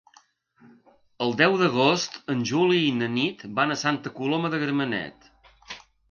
El deu d'agost en Juli i na Nit van a Santa Coloma de Gramenet.